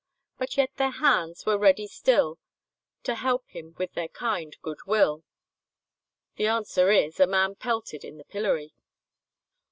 But yet their hands were ready still To help him with their kind good will." The answer is, a man pelted in the pillory.